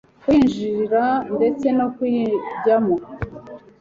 kuyinjira ndetse no kuyijyamo